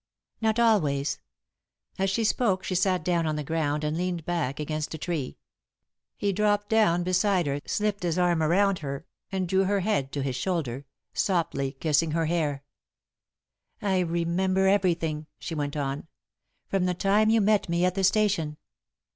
"Not always." As she spoke, she sat down on the ground and leaned back against a tree. He dropped down beside her, slipped his arm around her, and drew her head to his shoulder, softly kissing her hair. "I remember everything," she went on, "from the time you met me at the station.